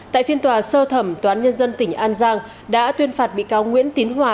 tại phiên tòa sơ thẩm toán nhân dân tỉnh an giang đã tuyên phạt bị cáo nguyễn tín hòa